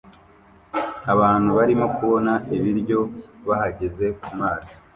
Abantu barimo kubona ibiryo bahagaze kumazi